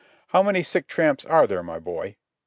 "How many sick tramps are there, my boy?"